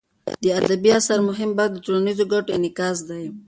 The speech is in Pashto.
د ادبي اثر مهم بحث د ټولنیزو ګټو انعکاس دی.